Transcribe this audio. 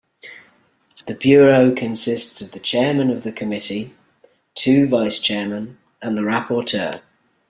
The Bureau consists of the Chairman of the Committee, two Vice-Chairmen and the Rapporteur.